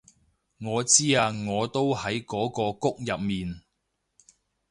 我知啊我都喺嗰個谷入面